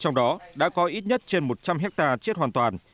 trong đó đã có ít nhất trên một trăm linh hectare chết hoàn toàn